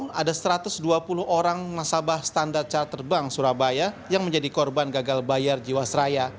selama satu lima tahun ada satu ratus dua puluh orang nasabah standard chartered bank surabaya yang menjadi korban gagal bayar jiwasraya